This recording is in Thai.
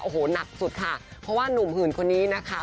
โอ้โหหนักสุดค่ะเพราะว่านุ่มหื่นคนนี้นะคะ